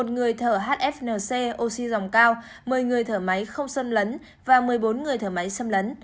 một mươi một người thở hfnc oxy dòng cao một mươi người thở máy không sâm lấn và một mươi bốn người thở máy sâm lấn